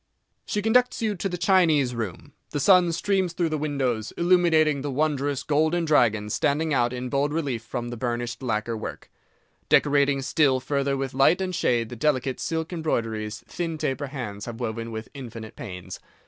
She conducts you to the Chinese Room; the sun streams through the windows, illuminating the wondrous golden dragons standing out in bold relief from the burnished lacquer work, decorating still further with light and shade the delicate silk embroideries thin taper hands have woven with infinite pains.